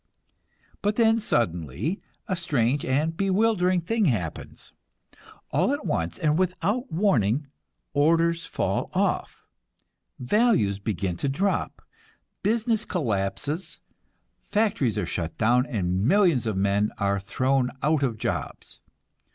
But then suddenly a strange and bewildering thing happens. All at once, and without warning, orders fall off, values begin to drop, business collapses, factories are shut down, and millions of men are thrown out of jobs.